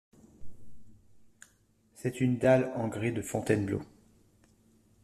C'est une dalle en grès de Fontainebleau.